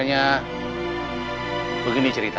kenapa ibu kau membunuh wabah kau